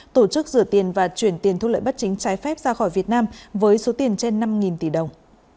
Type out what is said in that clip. tổ chức rửa tiền và chuyển tiền thu lợi bất chính trái phép ra khỏi việt nam với số tiền trên năm tỷ đồng